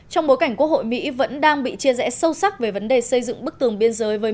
trong bối cảnh quốc hội mỹ vẫn đang bị chia rẽ sâu sắc về vấn đề xây dựng bức tường biên giới